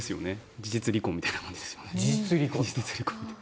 事実離婚みたいなものですよね。